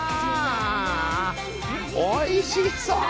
おいしそう！